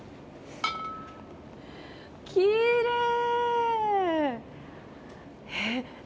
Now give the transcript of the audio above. きれい！